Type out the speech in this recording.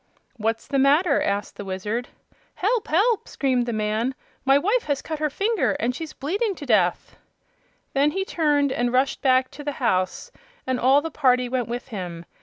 "What's the matter?" asked the Wizard. "Help! help!" screamed the man; "my wife has cut her finger off and she's bleeding to death!" Then he turned and rushed back to the house, and all the party went with him.